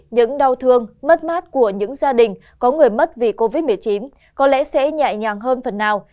những đau thương mất mát của những gia đình có người mất vì covid một mươi chín có lẽ sẽ nhẹ nhàng hơn phần nào